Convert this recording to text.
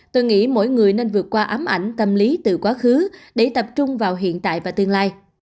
tôi nghĩ mỗi người nên vượt qua ám ảnh tâm lý từ quá khứ để tập trung vào hiện tại và tương lai